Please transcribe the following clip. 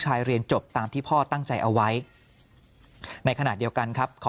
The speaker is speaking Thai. เรียนจบตามที่พ่อตั้งใจเอาไว้ในขณะเดียวกันครับขอ